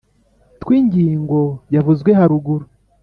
twi ngingo yavuzwe haruguru,